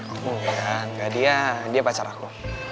oh ya gak dia dia pacar aku